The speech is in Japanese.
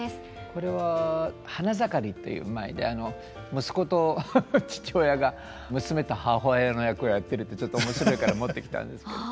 これは「花ざかり」という舞で息子と父親が娘と母親の役をやってるってちょっと面白いから持ってきたんですけど。